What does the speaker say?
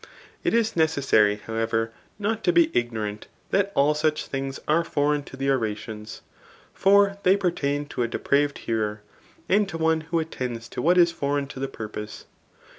It is necessary, however, not to be ignorant that all such things are ^foreign to the oration ; for they pertain to a depraved hearer, and to one who attends to what is foreign, to the, purpose.